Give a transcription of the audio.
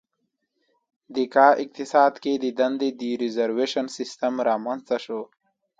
د کا اقتصاد کې د دندې د ریزروېشن سیستم رامنځته شو.